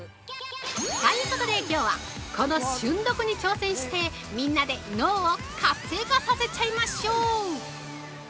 ということで、きょうはこの瞬読に挑戦してみんなで脳を活性化させちゃいましょう！